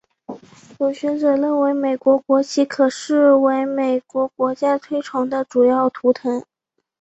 有学者认为美国国旗可被视为美国国家崇拜的主要图腾。